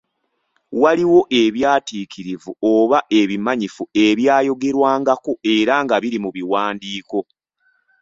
Waliwo ebyatiikirivu oba ebimanyifu ebyayogerwangako era nga biri mu biwandiiko.